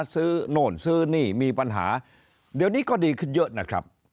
โน่นซื้อนี่มีปัญหาเดี๋ยวนี้ก็ดีขึ้นเยอะนะครับ